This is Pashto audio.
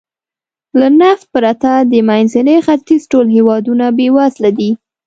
له نفت پرته د منځني ختیځ ټول هېوادونه بېوزله دي.